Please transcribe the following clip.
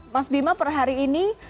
mas bima per hari ini